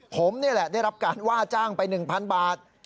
ผมนี่แหละได้รับการว่าจ้างไป๑๐๐บาท